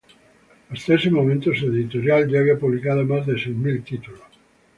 Hasta ese momento, su editorial ya había publicado más de seis mil títulos.